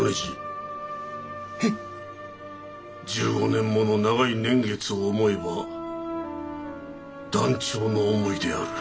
１５年もの長い年月を思えば断腸の思いである。